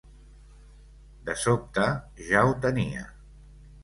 De sobte, ja ho tenia.